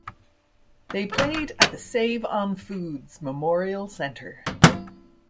They played at the Save-On-Foods Memorial Centre.